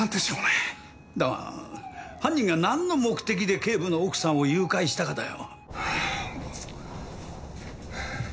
だが犯人がなんの目的で警部の奥さんを誘拐したかだよ。